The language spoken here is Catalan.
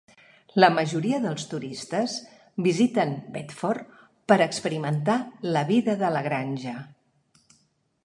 La majoria dels turistes visiten Bedford per experimentar la vida de la granja.